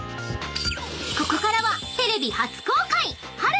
［ここからは］